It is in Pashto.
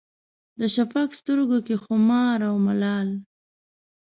د شفق سترګو کې خمار او ملال